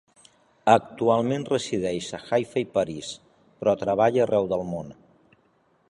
Actualment resideix a Haifa i París, però treballa arreu del món.